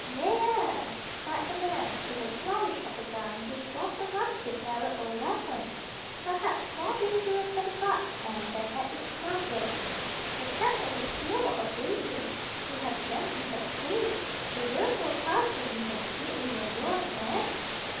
"Nev air!" cried the man, with a flourish of the gun which was a rusty barreled old weapon, perhaps more dangerous at the butt end than at its muzzle. "Ze chat only fear for her babies. She have zem in dat tree. We will go past leeving zem streectly alone, eh?"